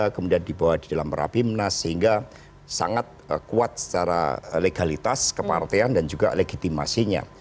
kemudian dibawa di dalam rapimnas sehingga sangat kuat secara legalitas kepartean dan juga legitimasinya